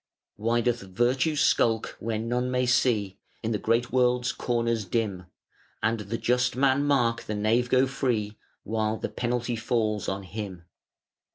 Why doth Virtue skulk where none may see In the great world's corners dim? And the just man mark the knave go free, While the penalty falls on him?